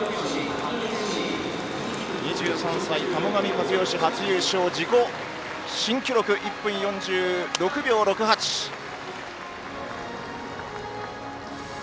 ２３歳、田母神一喜自己新記録、１分４６秒６８です。